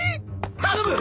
頼む！